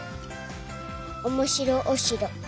おもしろおしろ。